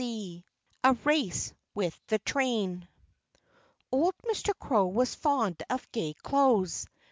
XII A RACE WITH THE TRAIN Old Mr. Crow was fond of gay clothes.